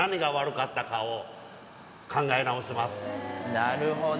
なるほど。